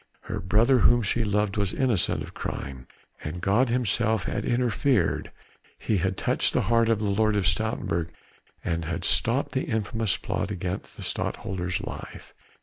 Her brother whom she loved was innocent of crime, and God Himself had interfered. He had touched the heart of the Lord of Stoutenburg and stopped the infamous plot against the Stadtholder's life.